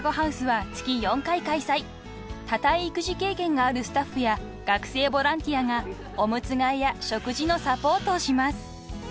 ［多胎育児経験があるスタッフや学生ボランティアがおむつ替えや食事のサポートをします］